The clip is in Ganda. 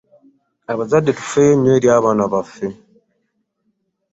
Abazadde tufeeyo nnyo eri abaana baffe .